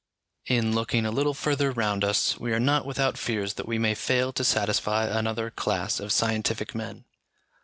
In looking a little further round us, we are not without fears that we may fail to satisfy another class of scientific men.